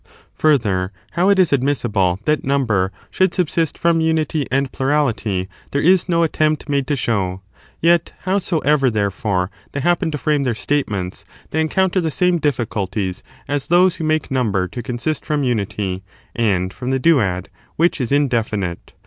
Further, how it is admissible that number 5. Doemum should subsist from unity and plurality, there is ^er consist of^ no attempt made to show; yet, howsoever, there raiity, or unity fore, they happen to frame their statements, they *°^ duauty? encounter the same difficulties as those who make number to consist from unity, and from the duad, which is indefinite.